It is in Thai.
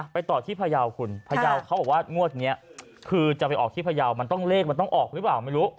ต่อที่พยาวคุณพยาวเขาบอกว่างวดนี้คือจะไปออกที่พยาวมันต้องเลขมันต้องออกหรือเปล่าไม่รู้